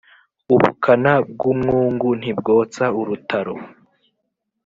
Ubukana bw’umwungu ntibwotsa urutaro.